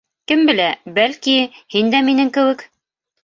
- Кем белә, бәлки, һин дә минең кеүек...